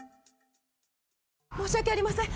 申し訳ありません。